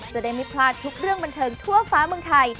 จะได้ไม่พลาดทุกเรื่องบันเทิงทั่วฟ้าเมืองไทย